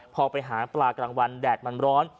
พอไปหาปลากลางวันแดดมันร้อน